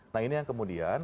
nah ini yang kemudian